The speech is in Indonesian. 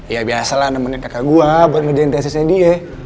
ya biasalah nemenin kakak gua buat ngedentesisnya dia